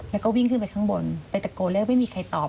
แล้วก็วิ่งขึ้นไปข้างบนไปตะโกนเรียกไม่มีใครตอบ